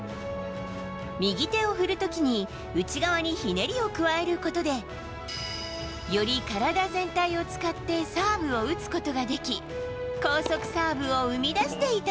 右手を振る時に内側にひねりを加えることでより体全体を使ってサーブを打つことができ高速サーブを生み出していた。